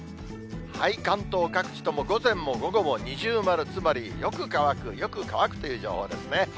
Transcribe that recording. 関東各地とも午前も午後も二重丸、つまりよく乾く、よく乾くという情報ですね。